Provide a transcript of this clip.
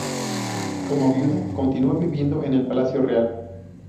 Como viuda, continuó viviendo en el palacio real.